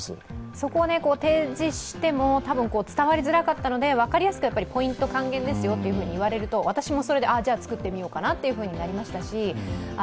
そこを提示しても、たぶん伝わりづらかったので、分かりやすくポイント還元ですよと言われると私もそれでじゃあ作ってみようかなってなりましたし